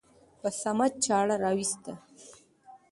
په صمد چاړه راوېسته.